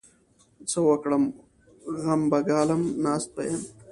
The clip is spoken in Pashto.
څه وکړم؟! غم به ګالم؛ ناست به يم.